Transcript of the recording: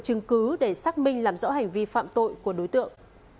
chứng cứ để xác minh làm rõ hành vi phạm tội của đối tượng